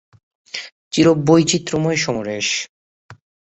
চির বৈচিত্র্যময় সমরেশ